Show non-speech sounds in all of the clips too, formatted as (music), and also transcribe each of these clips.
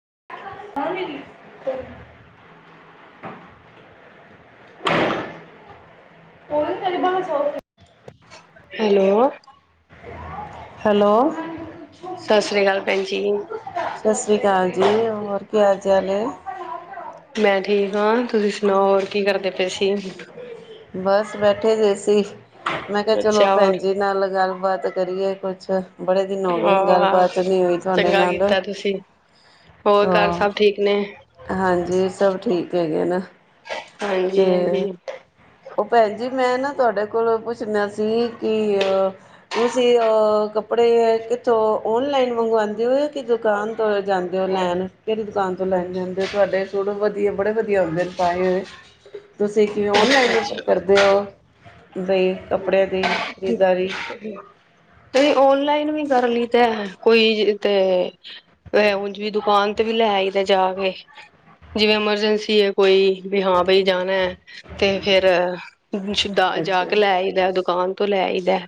(unintelligible) ਉਹ ਕਲੀਬ ਸੌ (unintelligible) hello hello Sat Sri ਅਕਾਲ ਭੈਣ ਜੀ। ਸਤਿ ਸ੍ਰੀ ਅਕਾਲ ਜੀ ਹੋਰ ਕੀ ਹਾਲ ਚਾਲ ਏ। ਮੈਂ ਠੀਕ ਹਾਂ, ਤੁਸੀਂ ਸੁਣਾਓ ਹੋਰ ਕੀ ਕਰਦੇ ਪਏ ਸੀ? ਬਸ ਬੈਠੇ ਜਏ ਸੀ ਅਸੀ, ਮੈਂ ਕਿਹਾ ਚਲੋ ਅੱਛਾ ਭੈਣ ਹੋਰ ਜੀ ਨਾਲ ਗੱਲਬਾਤ ਕਰੀਏ ਕੁਛ ਬੜੇ ਦਿਨ ਹੋ ਗਏ ਨੇ, ਆਹ ਗੱਲਬਾਤ ਨੀ ਹੋਈ ਤੁਹਾਡੇ ਚੰਗਾ ਨਾਲ ਕੀਤਾ ਤੁਸੀਂ। ਹੋਰ ਘਰ ਹਾਂ ਸਭ ਠੀਕ ਨੇ? ਹਾਂਜੀ ਸਭ ਠੀਕ ਹੈਗੇ ਨਾ, ਤੇ ਹਾਂਜੀ-ਹਾਂਜੀ, ਉਹ ਭੈਣ ਜੀ ਮੈਂ ਨਾ ਤੁਹਾਡੇ ਕੋਲ ਪੁੱਛਣਾ ਸੀ, ਕਿ ਤੁਸੀਂ ਅਹ ਕੱਪੜੇ ਕਿੱਥੋਂ ਔਨਲਾਈਨ ਮੰਗਵਾਦੀ ਔ, ਦੁਕਾਨ ਤੋਂ ਜਾਂਦੇ ਹੋ ਲੈਣ ਫਰੀ ਦੁਕਾਨ ਤੋਂ ਲੈਣ ਜਾਂਦੇ ਹੋ, ਤੁਹਾਡੇ ਸੂਟ ਵੀ ਵਧ ਬੜੇ ਵਧੀਆ ਹੁੰਦੇ ਨੇ ਪਾਏ ਹੋਏ। ਤੁਸੀਂ ਕਿਵੇਂ ਔਨਲਾਈਨ ਅੱਛਾ-ਅੱਛਾ। ਕਰਦੇ ਹੋ? ਬਈ ਕੱਪੜਿਆਂ ਦੀ ਖਰੀਦਦਾਰੀ ਕਦੀ ਔਨਲਾਈਨ ਵੀ, ਕਰ ਲਈ ਦਾ, ਕੋਈ ਤੇ ਉਝ ਵੀ ਦੁਕਾਨ ਤੇ ਵੀ ਲੈ ਆਈ ਜਾ ਕੇ ਜਿਵੇਂ ਐਮਰਜੈਂਸੀ ਹੈ, ਕੋਈ ਵੀ ਹਾਂ ਬਈ ਜਾਣਾ ਹੈ ਤੇ ਫੇਰ ਜਾ ਕੇ ਅੱਛਾ ਲੈ ਆਈਦਾ ਦੁਕਾਨ ਤੋਂ ਲੈਈਦਾ।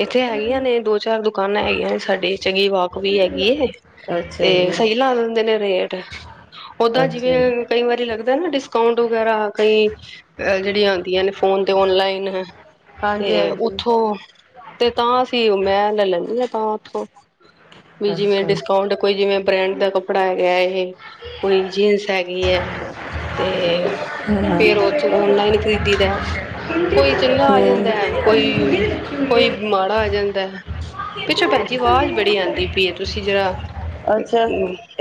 ਇੱਥੇ ਹੈਗੀਆਂ, ਨੇ ਦੋ ਚਾਰ ਦੁਕਾਨਾਂ ਹੈਗੀਆਂ ਨੇ ਸਾਡੇ ਚੰਗੀ ਬਾਕ ਵੀ ਹੈਗੀ ਐ। ਜ਼ਾ ਤੇ ਅੱਛਾ ਜੀ ਸਹੀ ਲਾ ਦਿੰਦੇ ਨੇ ਰੇਟ? ਓਦਾਂ ਅੱਛਾ ਜੀ ਜਿਵੇਂ ਕਈ ਵਾਰੀ ਲੱਗਦਾ, ਨਾ ਡਿਸਕਾਊਂਟ ਵਗੈਰਾ ਕਈ ਜਿਹੜੀਆਂ ਆਦੀਆਂ, ਨੇ ਫੋਨ ਤੇ ਔਨਲਾਈਨ ਹਾਂਜੀ ਤੇ ਹਾਂਜੀ ਉਥੋਂ ਤੇ ਤਾਂ ਅਸੀਂ ਮੈਂ ਲੈ ਲੈਂਦੀ ਹਾਂ, ਤਾਂ ਉੱਥੋਂ (unintelligible) ਵੀ ਜਿਵੇਂ ਡਿਸਕਾਊਂਟ ਕੋਈ ਜਿਵੇਂ ਬ੍ਰਾਂਡ ਦਾ ਕੱਪੜਾ ਹੈਗਾ ਹੈ, ਕੋਈ ਜੀਨਸ ਹੈਗੀ ਹੈ। ਤੇ ਫੇਰ ਉਥੋਂ ਔਨਲਾਈਨ ਖਰੀਦੀ ਦਾ ਕੋਈ, ਚੰਗਾ ਆ ਹਮ ਜਾਂਦਾ ਹੈ, ਕੋਈ ਕੋਈ ਹਮ ਮਾੜਾ ਆ ਜਾਂਦਾ। (unintelligible) ਪਿੱਛੋਂ ਭੈਣ ਜੀ ਆਵਾਜ਼ ਬੜੀ ਆਉਂਦੀ ਪਈ ਹੈ ਤੁਸੀਂ ਜਰਾ ਅੱਛਾ,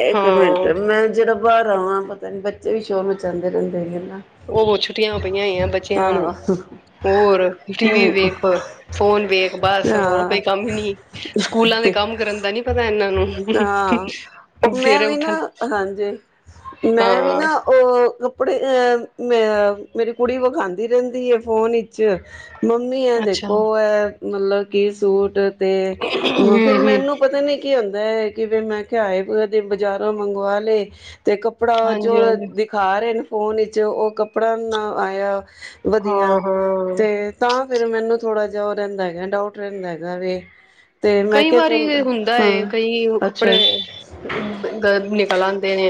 ਇੱਕ ਮਿੰਟ ਹਾਂ ਮੈਂ ਜਿਹੜਾ, ਬਾਹਰ ਆਵਾਂ ਪਤਾ ਨੀ, ਬੱਚੇ ਵੀ ਸ਼ੋਰ ਮਚਾਦੇ ਰਹਿੰਦੇ ਨੇ ਉਹ ਛੁੱਟੀਆਂ ਪਈਆਂ ਹੀ ਆ ਬੱਚਿਆਂ ਨੂੰ, ਹਾਂ ਹੋਰ ਟੀ ਵੀ ਹਮ ਵੇਖ ਫੋਨ ਵੇਖ ਬਸ ਹੋਰ ਹਾਂ ਕੋਈ ਕੰਮ, ਨ ਸਕੂਲਾਂ ਦੇ ਕੰਮ ਕਰਨ ਦਾ ਨੀ ਪਤਾ, ਇਹਨਾਂ ਨੂੰ ਹਾਂ, ਉਹ ਮੈਂ ਸਵੇਰੇ ਵੀ ਉੱਠਣ ਨਾ ਹਾਂਜੀ ਮੈਂ ਵੀ ਹਾਂ ਨਾ ਉਹ ਆ ਮੇਰੀ ਕੁੜੀ ਵਿਖਾਦੀ ਰਹਿੰਦੀ ਹੈ, ਫੋਨ ਵਿੱਚ ਮੰਮੀ ਇਹ ਅੱਛਾ ਦੇਖੋ ਹਮ ਐ, ਮਤਲਬ ਕਿ ਸੂਟ ਤੇ ਫੇਰ ਹਮ ਮੈਨੂੰ ਪਤਾ ਨੀ ਕੀ ਹੁੰਦਾ ਹੈ। ਕਿਵੇ ਮੈਂ ਕਿਹਾ, ਆਏ ਕਦੇ ਬਾਜ਼ਾਰੋਂ ਮੰਗਵਾ ਲਏ ਤੇ ਕੱਪੜਾ ਜੋ ਹਾਂਜੀ ਹਾਂਜੀ ਦਿਖਾ ਰਹੇ ਨੇ ਫੋਨ ਵਿੱਚ ਉਹ ਕੱਪੜਾ ਨਾ ਆਇਆ, ਹਾਂ ਵਧੀਆ ਹਾਂ ਤੇ ਤਾਂ ਫਿਰ ਮੈਨੂੰ ਥੋੜਾ ਜਾ ਓਹ ਰਹਿੰਦਾ, ਡਾਊਟ ਰਹਿੰਦਾ ਹੈਗਾ ਵੇ ਤੇ ਮੈਂ ਕਈ ਕਿਹਾ ਵਾਰੀ ਚੱਲ ਹੁੰਦਾ ਹੈ, ਹਾਂ ਕਈ ਅੱਛਾ, ਕੱਪੜੇ ਨਿਕਲ ਦੇ ਨੇ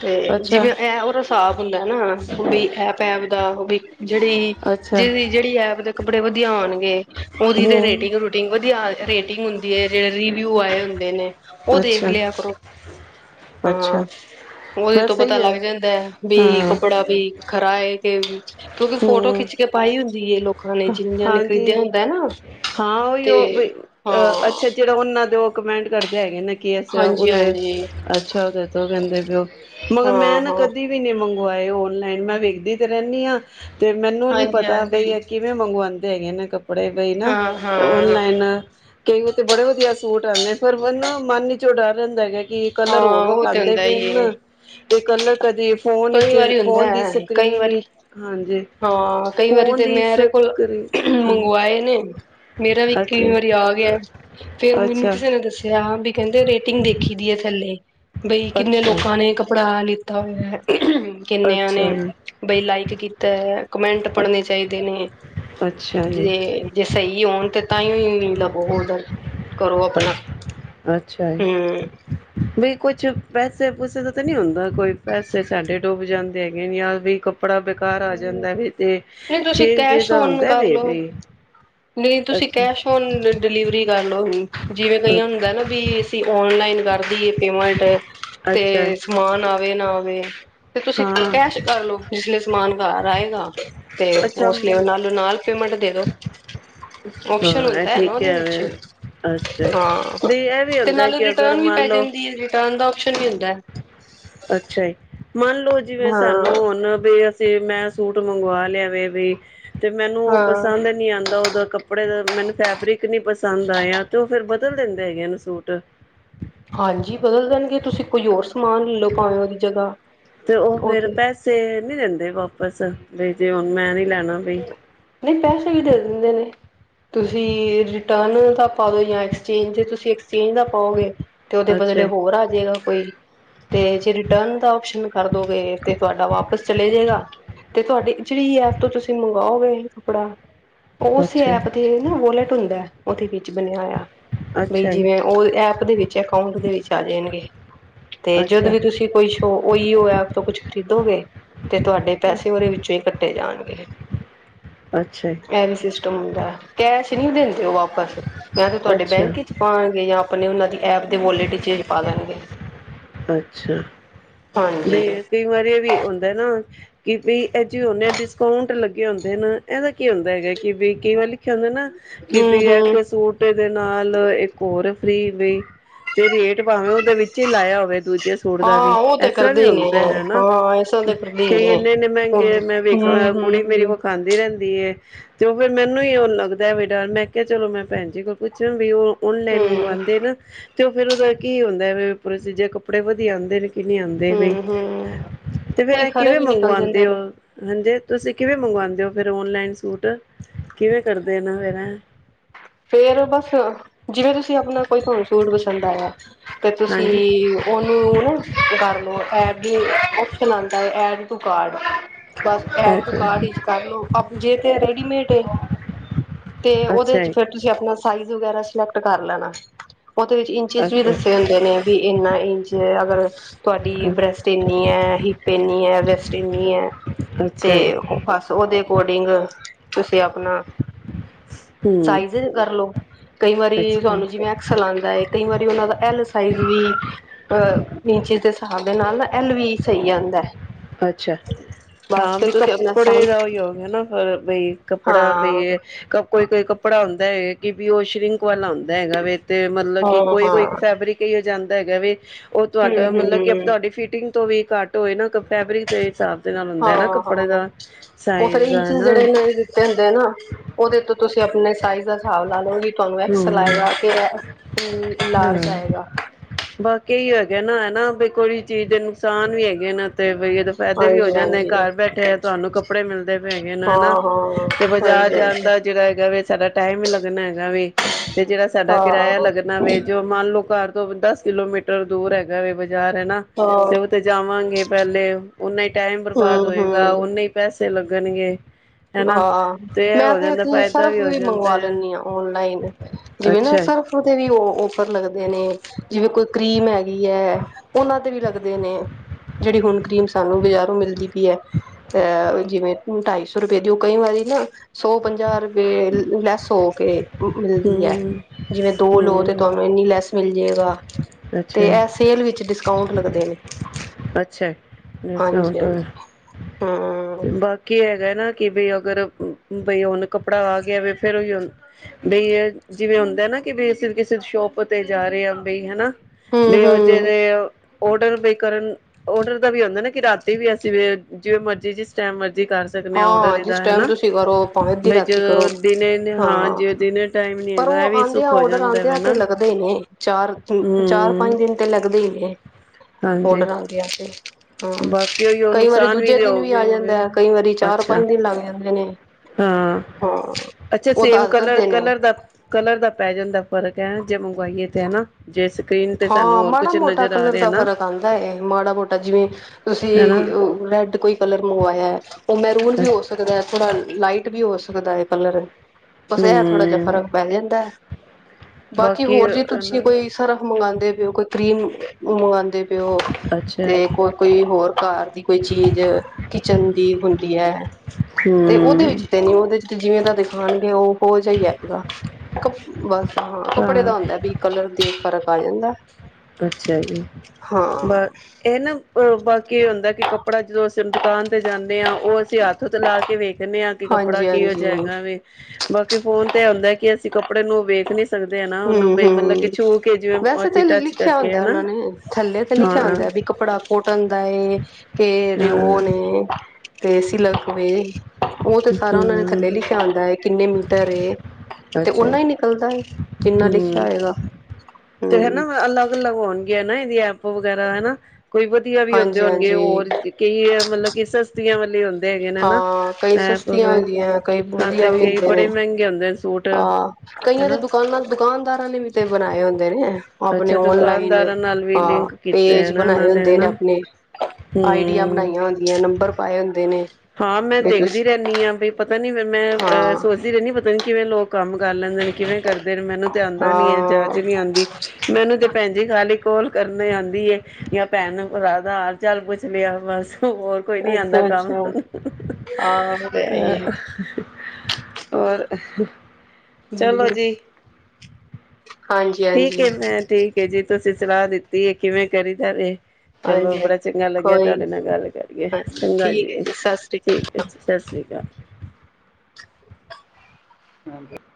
ਤੇ ਅੱਛਾ, ਜਿਵੇਂ, ਇਹ ਉਹਦਾ ਹਿਸਾਬ ਹੁੰਦਾ ਨਾ ਵੀ ਇਹ ਪੈਪ ਦਾ ਉਹ ਵੀ ਜਿਹੜੇ ਦੀ ਅੱਛਾ ਜਿਹਦੀ ਜਿਹੜੀ ਐਪ ਦੇ ਕੱਪੜੇ ਵਧੀਆ ਆਣਗੇ, ਉਹਦੀ ਤੇ ਹੂੰ, ਰੇਟਿੰਗ ਰੂਟਿੰਗ ਵਧੀਆ ਰੇਟਿੰਗ ਹੁੰਦੀ ਹੈ, ਜਿਹੜੇ ਰਿਵਿਊ ਆਏ ਹੁੰਦੇ ਨੇ ਉਹ ਦੇਖ ਅੱਛਾ, ਲਿਆ ਕਰੋ। ਅੱਛਾ, ਹਾਂ ਉਹਦੇ ਬਸ ਤੋਂ ਪਤਾ ਸਹੀ ਹੈ ਲੱਗ ਜਾਂਦਾ, ਵੀ ਹਾਂ ਕੱਪੜਾ ਵੀ ਖਰਾ ਹੈ ਕਿ ਕਿਉਂਕਿ ਫੋਟੋ ਹੂੰ, ਖਿੱਚ ਕੇ ਪਾਈ ਹੁੰਦੀ। ਆ ਲੋਕਾਂ ਨੇ ਜਿੰਨਿਆ ਨੇ ਖਰੀਦਿਆ ਹਾਂਜੀ ਹੁੰਦਾ, ਨਾ ਓਹ ਹਾਂ ਉਹੀ ਤੇ ਉਹ ਬਈ ਹਾਂ ਅ ਅੱਛਾ ਜਿਹੜਾ ਉਹਨਾਂ ਦੇ ਉਹ ਕਮੈਂਟ ਕਰਦੇ ਹੈਗੇ ਨੇ, ਹਾਂਜੀ ਉਹਦੇ ਹਾਂਜੀ ਅੱਛਾ ਉਹਦੇ ਤੋਂ ਕਹਿੰਦੇ, ਪਓ ਹਾਂ ਮਗਰ ਮੈਂ ਨਾ ਹਾਂ ਕਦੀ ਵੀ ਨੀ ਮੰਗ ਵਾਏ ਔਨਲਾਈਨ ਮੈਂ ਵੇਖਦੀ ਤੇ ਰਹਿੰਦੀ ਹਾਂ, ਤੇ ਮੈਨੂੰ ਨੀ ਹਾਂਜੀ ਪਤਾ ਬਈ ਹਾਂਜੀ ਵੇਂ ਮੰਗਵਾਦੇ ਹੈਗੇ, ਨੇ ਕੱਪੜੇ ਬਈ ਨਾ ਹਾਂ ਹਾਂ ਔਨਲਾਈਨ ਕਈ ਵਾਰੀ ਤੇ ਬੜੇ ਵਧੀਆ ਸੂਟ ਫਿਰ ਹਨਾ, ਮਨ ਵਿੱਚ ਚੋਂ ਡਰ ਰਹਿੰਦਾ। ਕੀ ਹਾਂ ਕਲਰ ਹੋਰ ਉਹ ਤੇ ਵਖਾਂਦੇ ਹੁੰਦਾ ਹੀ ਪਏ ਏ ਨੇ, ਤੇ ਕਲਰ ਕਦੀ, ਫੋਨ ਕਈ ਵਿੱਚ ਵਾਰੀ ਹੁੰਦਾ ਫੋਨ ਦੀ ਹੈ ਕਈ ਵਾਰੀ ਸਕਰੀਨ ਹਾਂਜੀ। ਹਾਂ ਕਈ ਵਾਰੀ ਫੋਨ ਤੇ ਦੀ ਮੈਂਰੇ ਕੋਲ ਸਕਰੀਨ ਹਾਂ ਮੰਗਵਾਏ ਨੇ, ਮੇਰਾ ਵੀ ਇੱਕ ਅੱਛਾ ਵਾਰੀ ਆ ਗਿਆ ਫੇਰ ਮੈਨੂੰ ਅੱਛਾ, ਕਿਸੇ ਨੇ ਦੱਸਿਆ ਵੀ ਕਹਿੰਦੇ ਰੇਟਿੰਗ ਦੇਖੀ ਦੀ ਹੈ। ਥੱਲੇ ਬਈ ਕਿੰਨੇ ਅੱਛਾ, ਲੋਕਾਂ ਨੇ ਕੱਪੜਾ ਲਿੱਤਾ ਹੋਇਆ। ਕਿੰਨਿਆਂ ਅੱਛਾ ਨੇ ਜੀ। ਬਈ ਲਾਈਕ ਕੀਤਾ ਹੈ ਕਮੈਂਟ ਪੜਨੇ ਚਾਹੀਦੇ ਨੇ, ਅੱਛਾ ਜੀ, ਜੇ ਜੇ ਸਹੀ ਹੋਣ ਤੇ ਤਾਹੀਓਂ ਹੀ ਲਵੋ ਆਰਡਰ ਕਰੋ ਆਪਣਾ, ਅੱਛਾ, ਅੱਛਾ ਜੀ, ਹਮ ਵੀ ਕੁਛ ਪੈਸੇ ਪੂਸੇ ਦਾ ਤਾਂ ਨਹੀਂ ਹੁੰਦਾ ਕੋਈ ਪੈਸੇ ਸਾਡੇ ਡੁੱਬ ਜਾਂਦੇ ਹੈਗੇ ਨੇ ਜਾਂ ਵੀ ਕੱਪੜਾ ਬੇਕਾਰ ਆ ਜਾਂਦਾ ਵੇ ਤੇ ਨਹੀਂ ਤੁਸੀਂ ਚੇਂਜ ਚੇਂਜ ਕੈਸ਼ ਦਾ ਔਨ ਆਂਦਾ ਕਰ ਵੀ, ਲਓ। ਨਹੀਂ, ਤੁਸੀਂ ਕੈਸ਼ ਓਨ ਡਿਲੀਵਰੀ ਕਰ ਲਓ ਜਿਵੇਂ ਕਈਆਂ ਅੱਛਾ, ਹੁੰਦਾ ਨਾ ਵੀ ਅਸੀਂ ਨ ਵਧੀਏ ਪੇਮੈਂਟ ਤੇ ਅੱਛਾ ਸਮਾਨ ਆਵੇ ਨਾ ਆਵੇ ਤੇ ਤੁਸੀਂ ਹਾਂ, ਕੈਸ਼ ਕਰ ਲਓ ਜਿਸ ਲਈ ਸਮਾਨ ਘਰ ਆਏਗਾ ਤੇ ਅੱਛਾ ਉਸ ਲਈ ਨਾਲੌ ਨਾਲ ਪੇਮੈਂਟ ਦੇ ਦੋ ਓਪਸ਼ਨ ਹਾਂ ਇਹ ਹੁੰਦਾ ਹੈ ਨਾ ਠੀਕ ਉਹਦੇ ਐ ਵਿੱਚ ਵੇ। ਅੱਛਾ ਹਾਂ ਬਈ ਇਹ ਵੀ ਤੇ ਹੁੰਦਾ ਨਾਲੇ ਕਿ ਅਗਰ ਰਿਟਰਨ ਵੀ ਮੰਨ ਪੈ ਲਓ ਜਾਂਦੀ ਹੈ ਰਿਟਰਨ ਦਾ ਆਪਸ਼ਨ ਵੀ ਹੁੰਦਾ। ਅੱਛਾ ਜੀ, ਮੰਨ ਲਓ ਜਿਵੇਂ ਸਾਨੂੰ ਹਾਂ ਹੁਣ ਵੀ ਅਸੀਂ ਮੈਂ ਸੂਟ ਮੰਗਵਾ ਲਿਆ ਵੈ ਵੀ। ਤੇ ਮੈਨੂੰ ਉਹ ਹਾਂ ਪਸੰਦ ਨਹੀਂ ਆਉਂਦਾ ਉਹਦਾ ਕੱਪੜੇ ਦਾ ਮੈਨੂੰ ਫੈਬਰਿਕ ਨਹੀਂ ਪਸੰਦ ਆਇਆ ਤੇ ਉਹ ਫਿਰ ਬਦਲ ਦਿੰਦੇ ਹੈਗੇ ਇਹਨੂੰ ਸੂਟ ਹਾਂਜੀ ਬਦਲ ਦੇਣਗੇ ਤੁਸੀਂ ਕੋਈ ਹੋਰ ਸਮਾਨ ਲੈ ਲਓ ਪਾਵੇਂ ਉਹਦੀ ਜਗ੍ਹਾ, ਤੇ ਉਹ ਫੇਰ ਪੈਸੇ ਨੀ ਦਿੰਦੇ ਵਾਪਸ ਵੀ ਜੇ ਹੁਣ ਮੈਂ ਨੀ ਲੈਣਾ ਬਈ ਨਹੀਂ ਪੈਸੇ ਵੀ ਦੇ ਦਿੰਦੇ ਨੇ ਤੁਸੀਂ ਰਿਟਰਨ ਦਾ ਪਾਦੋ ਜਾਂ ਐਕਸਚੇਂਜ ਤੁਸੀਂ ਐਕਸਚੇਂਜ ਦਾ ਪਾਓਗੇ ਤੇ ਉਹਦੇ ਬਦਲੇ ਅੱਛਾ ਹੋਰ ਆ ਜਾਏਗਾ ਕੋਈ, ਤੇ ਜੇ ਰਿਟਰਨ ਦਾ ਆਪਸ਼ਨ ਕਰਦੋਗੇ ਤੇ ਤੁਹਾਡਾ ਵਾਪਸ ਚਲੇ ਜਾਏਗਾ ਤੇ ਤੁਹਾਡੀ ਜਿਹੜੀ ਐਪ ਤੋਂ ਤੁਸੀਂ ਮੰਗਵਾਓਗੇ ਇਹ ਕੱਪੜਾ ਉਸ ਅੱਛਾ ਐਪ ਤੇ ਨਾ ਵੋਲਟ ਹੁੰਦਾ, ਉਹਦੇ ਵਿੱਚ ਬਣਿਆ ਹੋਇਆ। ਬਈ ਅੱਛਾ ਜੀ ਜਿਵੇਂ ਉਹ ਐਪ ਦੇ ਵਿੱਚ ਅਕਾਊਂਟ ਦੇ ਵਿੱਚ ਆ ਜਾਣਗੇ ਤੇ ਜਦੋਂ ਅੱਛਾ ਵੀ ਤੁਸੀਂ ਕੋਈ ਉਹੀ ਹੋਇਆ ਤੋਂ ਕੁਛ ਖਰੀਦੋਗੇ ਤੇ ਤੁਹਾਡੇ ਪੈਸੇ ਉਹਦੇ ਵਿੱਚੋਂ ਹੀ ਕੱਟੇ ਜਾਣਗੇ ਅੱਛਾ। ਏ ਵੀ ਸਿਸਟਮ ਹੁੰਦੈ। ਕੈਸ਼ ਨੀ ਦਿੰਦੇ ਔ ਵਾਪਸ ਯਾ ਤੇ ਤੁਆਡੇ ਅੱਛਾ ਬੈਂਕ ਇਚ ਪਾਨਗੇ ਯਾ ਆਪਨੇ ਔਨਾ ਦੀ ਐਪ ਦੇ ਵੋਲਟ ਇਚ ਪਾ ਦੇਨਗੇ। ਅੱਛਾ, ਵਈ ਕਈ ਵਾਰ ਏ ਵੀ ਹੁੰਦੈ ਨਾ ਕਿ ਬੀ ਏਚ ਹੁੰਦੇ ਏ, ਡਿਸਕਾਊਂਟ ਲੱਗੇ ਹੁੰਦੇ ਨ। ਏਦਾ ਕੀ ਹੁੰਦਾ ਹੈਗਾ? ਕਿ ਬੀ ਕਈ ਵਾਰ ਲਿਖਿਆ ਹੁੰਦੈ ਨਾ। ਕਿ ਹਮ ਬੇ ਹੈ ਹਮ ਸੂਟ ਦੇ ਨਾਲ ਇੱਕ ਹੋਰ। ਤੇ ਰੇਟ ਭਾਵੇਂ ਓਦੇ ਵਿੱਚ ਹੀ ਲਾਇਆ ਹੋਵੇ ਦੂ ਸੂਟ ਦਾ ਹਾਂ ਵੀ ਉਹ ਤੇ ਏਸ ਤਰਾਂ ਵੀ ਕਰਦੇ ਹੀ ਨੇ ਹੁੰਦਾ ਹੈਨਾ? ਹਾਂ ਐਸਾ ਤੇ ਕਰਦੇ ਹੀ ਕਈ ਨੇ ਏਨੇ- ਏਨੇ ਹਮ ਮੈੰਗੇ, ਹਮ ਕੁੜੀ ਮੇਰੀ ਹਮ ਵਖਾਨਦੀ ਰੈਨ ਤੇ ਓ ਫੇਰ ਮੈਨੂੰ ਈ ਓ ਲੱਗਦਾ ਏ ਵਈ ਡਾਰ। ਮੈਂ ਕਿਆ, ਚਲੋ ਮੈਂ ਭੈਨਜੀ ਕੋਲ ਪੁੱਛਾ ਵਈ ਓ ਓਨਲੈਨ ਹਮ ਮੰਗਵਾਂਦੇ ਨਾ, ਤੇ ਓ ਫੇਰ ਓਦਾ ਕੀ ਹੁੰਦਾ ਪ੍ਰੋਸੀਜਰ? ਕੱਪੜੇ ਵਦੀਆ ਆਂਦੇ ਨੇ ਕੀ ਨੀ ਆਨਦੇ ਵੀ? ਹਮ ਹਮ ਤੇ ਫੇਰ ਨਹੀਂ ਏ ਖਰੇ ਕਿਵੇਂ ਵੀ ਨਿਕਲ ਜਾਂਦੇ ਮੰਗਵਾਂਦੇ ਓ ਨੇ ਤੁਸੀਂ ਕਿਵੇਂ ਮੰਗਵਾਂਦੇ ਓ? ਫੇਰ ਔਨਲੈਨ ਸੂਟ ਕਿਵੇਂ ਕਰਦੇ ਨੇ ਫੇਰ ਏ? ਫੇਰ ਬਸ, ਜਿਵੇਂ ਤੁਸੀ ਆਪਨਾ ਕੋਈ ਤੁਆਨੂੰ ਸੂਟ ਪਸੰਦ ਆਇਆ, ਤੇ ਹਾਂਜੀ ਤੁਸੀਂ ਓਨੂੰ ਕਾਰ ਲਓ ਐਪ ਵੀ ਏ ਐਡ ਟੂ ਕਾਟ। ਬਾਸ ਐਡ ਟੂ ਅੱਛਾ, ਕਾਟ ਇਚ ਕਾਰਲੋ, ਜੇ ਤੇ ਏ ਰੇਡੀਮੇਡ ਏ ਤੇ ਔਦੇ ਅੱਛਾ ਏਚ ਜੀ। ਫੇਰ ਤੁਸੀਂ ਅਪਣਾ ਸਾਈਜ਼ ਵਗੈਰਾ ਸਲੈਕਟ ਕਰ ਲੈਨਾ। ਔਦੇ ਵਿੱਚ ਇੰਚਿਸ ਵੀ ਦੱਸੇ ਅੱਛਾ, ਹੁੰਦੇ ਨੇ ਵੀ ਏਨਾ ਇੰਚ, ਅਗਰ ਤੁਹਾਡੀ ਬ੍ਰੈਸਟ ਇੰਨੀ ਏ। ਹਿਪ ਏਨੀ ਹੈ, ਵੈਸਟ ਏਨੀ ਹੈ, ਤੇ ਅੱਛਾ ਜੀ ਬਸ ਔਦੇ ਅਕੋਡਿੰਗ ਤੁਸੀਂ ਆਪਨਾ ਹੂੰ, ਸਾਈਜ਼ ਕਾਰਲੋ। ਕਈ ਵਾਰੀ ਅੱਛਾ, ਤੁਆਨੂੰ, ਜਿਵੇਂ ਐਕਸੈਲ ਆਂਦਾ ਏ। ਕਈ ਵਾਰੀ ਔਨਾ ਦਾ ਐਲ ਸਾਈਜ਼ ਵੀ ਨੀਚੇ ਦੇ ਹਿਸਾਬ ਨਾਲ ਨਾ, ਐਲ ਵੀ ਸਹੀ ਆਂਦੈ। ਅੱਛਾ, ਹਾਂ ਵੀ ਤੁਸੀਂ ਆਪਣਾ ਕੱਪੜੇ ਸਾਈਜ਼ ਦਾ ਔਈਔ ਹੋ ਗਿਆ ਨਾ, ਫ ਬਈ ਹਾਂ ਕੱਪੜਾ ਬੀ, ਕਪ ਕੋਈ-ਕੋਈ ਕੱਪੜਾ ਹੁੰਦੈ ਏ ਕਿ ਬੀ ਔ ਸ਼੍ਰਿੰਕ ਵਾਲਾ ਹੁੰਦਾ ਹੈਗਾ ਵੇ, ਤੇ ਮਲਬ ਕਿ ਹਾਂ ਕੋਈ- ਕੋਈ ਇੱਕ ਹਾਂ ਫੈਬਰਿਕ ਏਔ ਜਾਂਦਾ ਹੈਗਾ ਵੇ। ਔ ਹੂੰ ਤੁਹਾਡਾ ਮਤਲਬ ਕਿ ਅਪ ਹੂੰ ਤੁਆਡੀ ਫਿਟਿੰਗ ਤੋਂ ਵੀ ਕਾਟ ਹੋਏ ਨਾ, ਕ ਫੈਬਰਿਕ ਦੇ ਹਿਸਾਬ। ਦੇ ਨਾਲ ਹਾਂ, ਹੁੰਦਾ ਹੈ ਨਾ ਕੱਪੜੇ ਹਾਂ ਦਾ ਔ ਫੇਰ ਸਾਈਜ਼ ਦਾ ਇੰਚੀਜ਼ ਨਾ ਜੇੜੇ ਏਨਾ ਨੇ ਦਿੱਤੇ ਹੁੰਦੇ ਨਾ, ਔਦੇ ਤੋਂ ਤੁਸੀਂ ਆਪਨੇ ਸਾਈਜ਼ ਦਾ ਹਿਸਾਬ ਲਾਲੋ ਵੀ, ਤੁਆਨੂੰ ਐਕਸੈਲ ਹਮ ਆਏਗਾ ਕੇ ਲਾਰਜ ਹਾਂ ਆਏਗਾ। ਬਾਕੀ ਏਈਔ ਹੈਗਾ ਨਾ, ਹਨਾ ਬੀ ਕੋਈ ਚੀਜ਼ ਦੇ ਨੁਕਸਾਨ ਵੀ ਹੈਗੇ ਨ, ਤੇ ਬਈ ਫਾਇਦੇ ਵੀ ਹੋ ਹਾਂਜੀ ਜਾਂਦੇ ਏ, ਹਾਂਜੀ ਕਾਰ ਬੈਠੇ ਤੁਆਨੂੰ ਕੱਪੜੇ ਮਿਲਦੇ ਪੇ ਹੈਗੇ ਨ, ਹਾਂ ਹਨਾ, ਹਾਂ ਤੇ ਬਜਾਰ ਹਾਂਜੀ ਜਾ ਹਾਂਜੀ ਦਾ ਜਿਹੜਾ ਹੈਗਾ ਵੇ ਸਾਡਾ ਟਾਈਮ ਵੀ ਲੱਗਨਾ ਹੈਗਾ ਵੇ, ਤੇ ਜੇੜਾ ਸਾਡਾ ਕਿਰਾਏਆ ਹਾਂ ਲੱਗਨਾ ਵੇ, ਜੋ ਮਾਨ ਲੋ ਕਾਰ ਦਸ ਕਿਲੋਮੀਟਰ ਦੂਰ ਹੈਗਾ ਵੇ ਜਾ ਰੇ ਨਾ, ਹਾਂ ਤੇ ਔਥੇ ਜਾਵਾਂਗੇ ਪੈਲੇ, ਔਨਾ ਈ ਟਾਈਮ ਬਰਬਾਦ ਹੂੰ ਹੋਏਗਾ, ਔਨੇ ਈ ਪੈਸੇ ਤੇ ਲੱਗਨਗੇ। ਆ, ਹਨਾ ਮੈਂ ਤੇ ਅਪਨੇ ਫਾਇਦਾ ਸਰਫ ਹੋ ਵੀ ਜਾਂਦਾ ਮੰਗਵਾ ਲੈਂਨੀ ਆ ਹੈ ਓਨਲਾਈਨ। ਜਿਵੇਂ ਨਾ ਅੱਛਾ ਸਰਫ ਤੇ ਵੀ ਔ-ਔਫਰ ਲੱਗ ਨੇ, ਜਿਵੇਂ ਕੋਈ ਕਰੀਮ ਹੈਗੀ ਏ, ਔਨਾਂ ਤੇ ਵੀ ਲੱਗਦੇ ਨੇ। ਜਿਹੜੀ ਹੁਣ ਕਰ੍ਰੀਮ ਸਾਨੂੰ ਬਜ਼ਾਰੋਂ ਮਿਲਦੀ ਅ, ਜਿਵੇਂ ਢਾਈ ਸੌ ਰਪਏ ਦਿ, ਔ ਕਈ ਵਾਰੀ ਨਾ, ਸੌ ਪੰਜਾ ਰਪ ਵੀ ਲੈਸ ਹੋ ਕੇ ਮਿਲਦੀ ਐ, ਹਮ ਜਿਵੇਂ ਦੋ ਲੋ ਤੇ, ਹਮ ਤੁਆਨੂੰ ਇੰਨੀ ਲੈਸ ਮਿਲ ਜਾੇਗਾ। ਅੱਛਾ ਤੇ ਜੀ। ਏ ਸੇਲ ਵਿੱਚ ਡਿਸਕਾਊਂਟ ਲੱਗਦੇ ਨੇ। ਅੱਛਾ ਹਾਂਜੀ ਹਾਂਜੀ ਹਮ (unintelligible) ਬਾਕੀ ਹੈਗੈ ਨਾ ਕਿ ਬਈ, ਅਗਰ ਬਈ ਹੁਨ ਕੱਪੜਾ ਆ ਗਿਆ ਵੇ, ਫੇਰ ਔਇਔ, ਬਈ ਜਿਵੇਂ ਹੁੰਦੈ ਨਾ (unintelligible) ਕਿਸੇ ਸ਼ੋਪ ਤੇ ਜਾ ਰਏ ਆ ਬਈ ਹਨਾ। ਵੀ ਹਮ ਔ ਹਮ ਜਿਦੇ ਔਡਰ ਵੀ ਕਰਨ। ਔਡਰ ਦਾ ਵੀ ਹੁੰਦੈ ਨਾ, ਕੀ ਰਾਤੀ ਵੀ ਅਸੀ ਜਿਵੇ ਮਰਜੀ, ਜਿਸ ਟੈਮ ਮਰ ਕਰ ਸਕਨੇ ਆ ਔਡਰ ਹਾਂ ਜਿਸ ਏਦਾ ਟਾਈਮ ਹੈਨਾ, ਤੁਸੀਂ ਕਰੋ ਭਾਵੇਂ ਅੱਧੀ ਬਈ ਰਾਤੀ ਕਰੋ ਜਦੋਂ ਦਿਨੇ ਹਾਂ, ਜਿਵੇ ਦਿਨੇ ਟਾਈਮ। ਨੀ ਪਰ ਹੈਗਾ ਇਹ ਉਹ ਵੀ ਆਉਂਦਿਆਂ ਸੁੱਖ ਹੋ ਓਡਰ ਜਾਂਦਾ ਆਉਂਦੇਿਆਂ ਵ ਤੇ ਨਾ ਲੱਗਦੇ ਨੇ ਚਾਰ ਚਾਰ ਪੰਜ ਹੂੰ ਦਿਨ ਤੇ ਲੱਗਦੇ ਹੀ ਨੇ ਹਾਂਜੀ ਓਡਰ ਆਂਦੇ ਆ ਤੇ ਹਾਂ ਬਾਕੀ ਉਹੀ ਉਹ ਕਈ ਵਾਰੀ ਨੁਕਸਾਨ ਦੂਜੇ ਦੇ ਦਿਨ ਵੀ ਆ ਹੋਗੇ ਜਾਂਦਾ, ਕਈ ਵਾਰੀ ਚਾਰ ਅੱਛਾ ਪੰਜ ਦਿਨ ਲਾਗ ਜਾਂਦੇ ਨੇ ਹਾਂ, ਅੱਛਾ ਉਹ ਸੇਮ ਦੱਸ ਕਲਰ, ਦਿੰਦੇ ਨੇ ਕਲਰ ਦਾ ਕਲਰ ਦਾ ਪੈ ਜਾਂਦਾ ਫਰ (inaudible) ਜੇ ਮੰਗਵਾਈਏ ਤੇ ਹਨਾ ਜੇ ਸਕਰੀਨ ਤੇ ਸਾਨੂੰ ਹਾਂ ਹੋਰ ਮਾੜਾ ਕੁਛ ਮੋਟਾ ਨਜ਼ਰ ਆ ਕਲਰ ਰਿਹਾ ਦਾ ਨਾ ਫਰਕ ਆਂਦਾ ਏ, ਮਾੜਾ ਮੋਟਾ ਜਿਵੇ ਤੁਸੀ ਹਨਾ ਰੈਡ ਕੋਈ ਕਲਰ ਮੰਗਵਾਏਆ ਓ ਮੈ ਹੁਣ ਵੀ ਹੋ ਅੱਛਾ ਸਕਦਾ ਥੋੜਾ ਲਾਈਟ ਵੀ ਹੋ ਸਕਦਾ ਹ ਕਲਰ (inaudible) ਬਸ ਏਹ ਥੋੜਾ ਜੇਹਾ ਹਮ ਫ਼ਰਕ ਪੈ ਜਾਂਦਾ ਐ, ਬਾਕੀ ਹੋਰ ਜੇ ਤੁਸੀ ਕੋਈ ਸਰਫ ਮੰਗਵਾਉਂਦੇ ਪਏ ਓ ਕੋਈ ਕਰੀਮ ਮੰਗਵਾਉਂਦੇ ਪਏ ਹੋ ਅੱਛਾ ਤੇ ਕੋਈ, ਕੋਈ ਹੋਰ ਕਾਰ ਦੀ ਕੋਈ ਚੀਜ਼ ਕਿਚਨ ਦੀ ਹੁੰਦੀ ਐ। ਤੇ ਓਦੇ ਹਮ ਵਿੱਚ ਤੇ ਨੀ ਓਦੇ ਵਿੱਚ ਜਿਵੇਂ ਜਾ ਦਿਖਾਨਗੇ ਓਹੋ ਜੇਆ ਈ ਆਏਗਾ ਕਪ ਬਸ ਹਾਂ ਕੱਪੜੇ ਦਾ ਹੁੰਦਾ ਬੀ ਕਲਰ ਦਾ ਫ਼ਰਕ ਆ ਜਾਂਦਾ ਅੱਛਾ ਜੀ, ਬ ਹਾਂ, ਏਹ ਨਾ ਬਾ ਕੀ ਹੁੰਦਾ ਕਿ ਕੱਪੜਾ ਜਦੋ ਅਸੀ ਦੁਕਾਨ ਤੇ ਜਾਂਦੇ ਆ, ਓ ਅਸੀ ਹਥ ਹੁਥ ਲਾ ਕੇ ਵੇਖਨੇ ਆ ਕਿ ਕੱਪੜਾ ਕੀ ਕਿਹੋ ਜਿਹਾ ਹਾਂਜੀ-ਹਾਂਜੀ, ਹੈਗਾ ਵੇ (inaudible) ਬਾਕੀ ਫੋਨ ਤੇ ਏ ਹੋਂਦਾ ਕੀ ਅਸੀ ਕੱਪੜੇ ਨੂੰ ਵੇਖ ਨੀ ਸਕਦੇ ਨਾ ਓਨੂੰ ਬਈ ਮਤਲਬ ਹੂੰ-ਹੂੰ। ਕਿ ਛੂਹ ਕੇ ਜਿਵੇ ਵੈਸੇ ਅਸੀ ਤਾਂ ਟਚ ਲਿਖਿਆ ਹੋਂਦਾ ਓਨਾਂ ਨੇ, ਥੱਲੇ ਤੇ ਲਿਖਿਆ ਹੋਂਦਾ ਵੀ ਕੱਪੜਾ ਕੋਟਨ ਦਾ ਏ, ਕੇ ਹਾਂ, ਰਯੋਨ ਏ ਤੇ ਏ ਸੀ ਲਾਕੇ ਆਏ। ਓ ਤੇ ਸਾਰਾ ਓਨਾਂਨੇ ਥੱਲੇ ਹੂੰ, ਲਿਖਿਆ ਹੋਂਦਾ ਐ। ਕਿੰਨੇ ਮੀਟਰ ਏ ਤੇ ਅੱਛਾ, ਓਨਾ ਈ ਨਿਕਲਦਾ ਏ। ਜਿੰਨਾ ਲਿਖਿਆ ਹੂੰ। ਹੋਏਗਾ ਤੇ ਨਾ ਹੂੰ ਆਲਗ- ਅਲਗ ਹੋਨ ਨਾ ਏਹਦੀ ਐਪ ਵਗੈਰਾ ਹਨਾ। ਕੋਈ ਵਦੀਆ ਵੀ ਹੋਂਦੇ ਹਾਂਜੀ ਹੋਨਗੇ। ਹਾਂਜੀ ਹੋਰ ਕਈ ਮਲਬ ਸਸ ਤੀਆਂ ਵਾਲੇ ਹੋਂਦੇ ਹੈਗੇ ਨੇ ਹੈਨਾ। ਹਾਂ ਕਈ ਸਸਤੀਆਂ ਹੁੰਦੀਆਂ, ਕਈ ਵਦੀਆ ਵੀ ਹੁੰਦੇ ਬੜੇ ਨੇ। ਮਹਿੰਗੇ ਹੁੰਦੇ ਨੇ ਸੂਟ ਆ। ਕਈਆਂ ਦੇ ਹਨਾ। ਦੁਕਾਨਾਂ ਦੁਕਾਨਦਾਰਾਂ ਨੇ ਵੀ ਤੇ ਬਨਾਏ ਹੁੰਦੇ ਨੇ। ਆਪਨੇ ਅੱਛਾ ਓਨਲਾਈਨ, ਦੁਕਾਨਦਾਰਾਂ ਨਾਲ ਵੀ ਹਾਂ ਲਿੰਕ ਕੀਤੇ ਪੇਜ ਹਨਾ ਇਹਨਾਂ ਬਨਾਏ ਹੁੰਦੇ ਨੇ ਹਨਾ, ਆਪਨੇ ਆਈਡੀਆ ਹੂੰ। ਬਨਾਈਆਂ ਹੁੰਦੀਆਂ ਨੰਬਰ ਪਾਏ ਹੁੰਦੇ ਨੇ। ਹਾਂ। ਮੈਂ ਵੀ ਦੇਖਦੀ ਤੁਸੀਂ ਰੈਨੀ ਆਂ, ਬਈ ਪਤਾ ਨੀ ਮੈਂ ਅ ਹਾਂ ਸੋਚਦੀ ਰੈਨੀ ਪਤਾ ਨੀ ਕਿਵੇ ਲੋਕ ਕੰਮ ਕਰ ਲੈਂਦੇ ਨੇ। ਕਿਵੇਂ ਕਰਦੇ ਨੇ ਮੈਨੂੰ ਤੇ ਆਂਦਾ ਨੀ ਐ, ਜਾਚ ਹਾਂ ਨੀ ਆਂਦੀ, ਮੈਨੂੰ ਤੇ ਭੈਣ ਜੀ ਖਾਲੀ ਕੋਲ ਕਰਨੇ ਆਂਦੀ ਏ ਯਾ ਭੈਣ-ਭਰਾ ਦਾ ਹਾਲ -ਚਾਲ ਪੁਛ ਲੇਆ। ਬਸ ਹੋਰ ਕੋਈ ਨੀ ਆਂਦਾ ਅੱਛਾ ਕੰਮ ਅੱਛਾ ਆਹ ਤੇ ਹੈ ਹੋਰ, ਹੀ ਚਲੋ ਹੈ ਹਮ ਜੀ ਹਾਂਜੀ ਠੀਕ ਹਾਂਜੀ ਏ। ਹਾਂਜੀ ਮੈਂ ਠੀਕ ਜੀ ਤੁਸੀ ਸਲਾਹ ਦਿੱਤੀ ਏ। ਕਿਵੇਂ ਕਰੀਦਾ ਵੇ ਚਲੋ ਹਾਂਜੀ ਬੜਾ ਚੰਗਾ ਲੱਗੇਆ ਕੋਈ ਤੁਹਾਡੇ ਨੀ ਨਾਲ ਗੱਲ ਕਰਕੇ। ਹਾਂਜੀ ਚੰਗਾ ਠੀਕ ਜੀ, ਹੈ ਸਤਿ ਸ੍ਰੀ ਅਕਾਲ ਠੀਕ ਐ ਜੀ, ਸਤ ਸ੍ਰੀ‌ ਕਾਲ। (unintelligible)